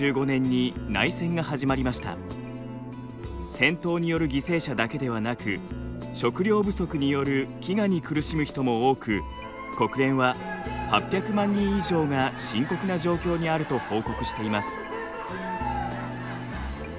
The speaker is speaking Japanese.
戦闘による犠牲者だけではなく食糧不足による飢餓に苦しむ人も多く国連は８００万人以上が深刻な状況にあると報告しています。